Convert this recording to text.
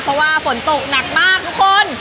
เพราะว่าฝนตกหนักมากทุกคน